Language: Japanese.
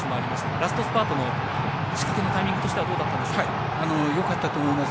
ラストスパートもタイミングとしてはよかったと思います。